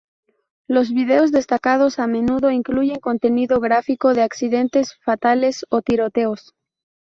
Los videos destacados a menudo incluyen contenido gráfico de accidentes fatales o tiroteos.